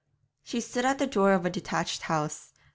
She stood at the door of a detached house.